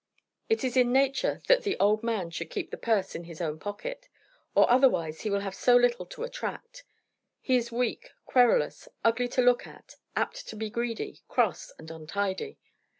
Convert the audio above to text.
It is in nature that the old man should keep the purse in his own pocket, or otherwise he will have so little to attract. He is weak, querulous, ugly to look at, apt to be greedy, cross, and untidy.